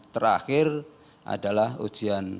terakhir adalah ujian